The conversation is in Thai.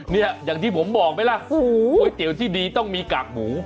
แบบที่ผมบอกไปแล้วก๋วยเตี๋ยวที่ดีต้องมีกากหมู